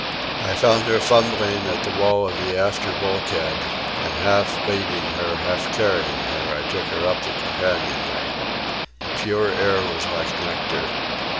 I found her fumbling at the wall of the after bulkhead, and, half leading her, half carrying her, I took her up the companion way. The pure air was like nectar.